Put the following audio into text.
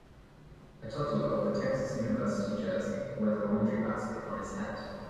A toddler with a Texas university jersey wears a laundry basket on his head.